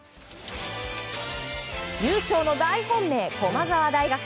優勝の大本命、駒澤大学。